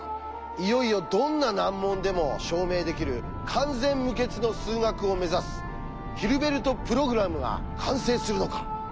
いよいよどんな難問でも証明できる完全無欠の数学を目指すヒルベルト・プログラムが完成するのか。